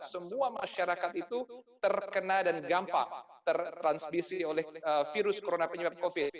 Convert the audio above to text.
semua masyarakat itu terkena dan gampang tertransmisi oleh virus corona penyebab covid